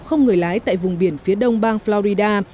không người lái tại vùng biển phía đông bang florida